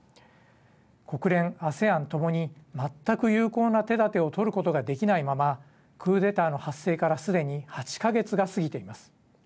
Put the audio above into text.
国連、ＡＳＥＡＮともに全く有効な手だてをとることができないままクーデターの発生からすでに８か月が過ぎています。